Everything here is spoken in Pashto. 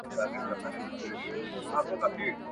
پدغه تعامل کي زموږ پلار خطاوتلی دی.